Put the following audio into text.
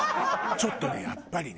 ちょっとねやっぱりね。